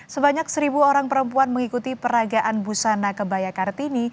sebanyak seribu orang perempuan mengikuti peragaan busana kebaya kartini